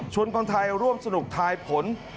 คนไทยร่วมสนุกทายผล